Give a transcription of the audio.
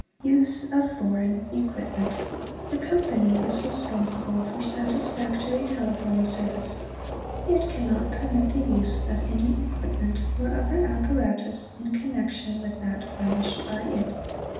Use of Foreign Equipment. The Company is responsible for satis factory telephone service, it cannot permit the use of any equipment or other apparatus in connection with that furnished by it.